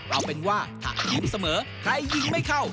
เราเป็นว่าถ้ายิ้มเสมอใครยิ้มไม่เข้า